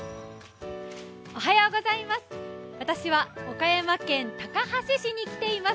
私は岡山県高梁市に来ています。